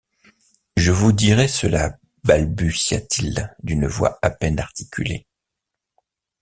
Je vous dirai cela, balbutia-t-il d’une voix à peine articulée.